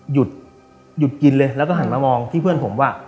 หยุดหยุดกินเลยแล้วก็หันมามองที่เพื่อนผมว่า